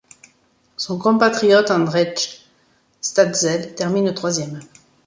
Son compatriote Andrzej Staszel termine troisième.